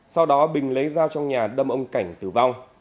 sau đó bình lấy dao trong nhà đâm ông cảnh tử vong